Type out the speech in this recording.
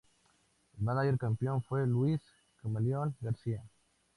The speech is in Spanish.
El mánager campeón fue Luis "Camaleón" García.